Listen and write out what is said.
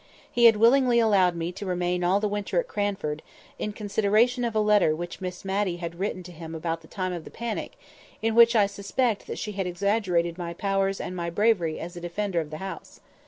He had willingly allowed me to remain all the winter at Cranford, in consideration of a letter which Miss Matty had written to him about the time of the panic, in which I suspect she had exaggerated my powers and my bravery as a defender of the house.